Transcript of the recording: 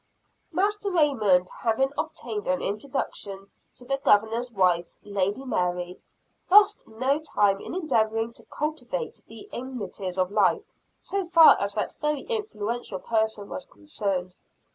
Master Raymond, having obtained an introduction to the Governor's wife, Lady Mary, lost no time in endeavoring to "cultivate the amenities of life," so far as that very influential person was concerned.